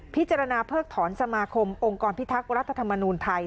พิจารณาเพิกถอนสมาคมองค์กรพิทักษ์รัฐธรรมนูลไทย